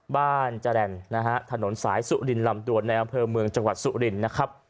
บ้านจรัญนะฮะถนนสายสู่รินรรมดวนในอำเภอเมืองจังหวัดสู่รินนะครับ